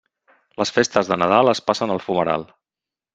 Les festes de Nadal es passen al fumeral.